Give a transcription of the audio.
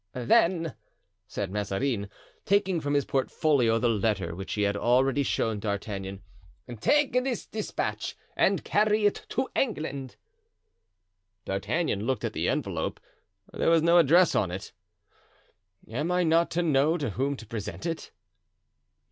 "Then," said Mazarin, taking from his portfolio the letter which he had already shown D'Artagnan, "take this dispatch and carry it to England." D'Artagnan looked at the envelope; there was no address on it. "Am I not to know to whom to present it?"